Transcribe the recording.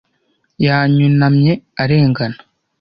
Yanyunamye arengana.